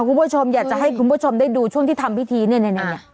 คุณผู้ชมอยากให้คุณได้ดูที่ทำพิธีเนี่ย